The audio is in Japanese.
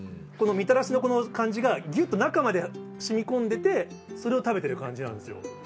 このみたらしのこの感じが、ぎゅっと中までしみこんでて、それを食べてる感じなんですよ。